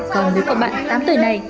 còn với các bạn tám tuổi này